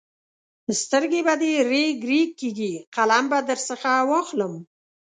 سترګې به دې رېګ رېګ کېږي؛ قلم به درڅخه واخلم.